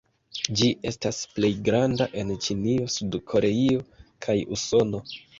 Ĝi estas plej granda en Ĉinio, Sud-Koreio kaj Usono.